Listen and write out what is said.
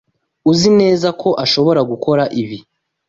Uzi neza ko ashobora gukora ibi?